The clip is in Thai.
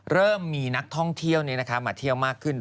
เริ่มมีนักท่องเที่ยวมาเที่ยวมากขึ้น